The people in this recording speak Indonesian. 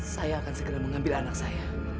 saya akan segera mengambil anak saya